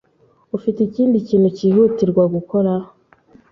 Ufite ikindi kintu cyihutirwa gukora?